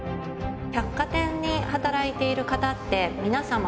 百貨店に働いている方ってみなさま